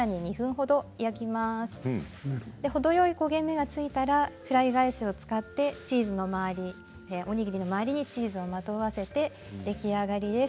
ほどよい焦げ目がついたらフライ返しを使っておにぎりの周りにチーズをまとわせて、出来上がりです。